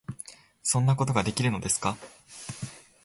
「そんなことができるのですか？」